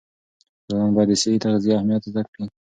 ځوانان باید د صحي تغذیې اهمیت زده کړي.